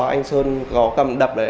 anh sơn có cầm đập đấy